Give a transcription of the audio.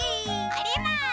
おります！